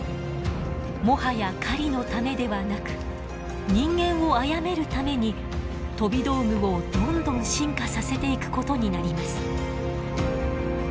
もはや狩りのためではなく人間を殺めるために飛び道具をどんどん進化させていくことになります。